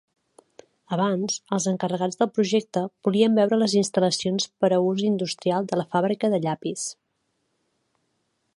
Abans, els encarregats del projecte volien veure les instal·lacions per a ús industrial de la fàbrica de llapis.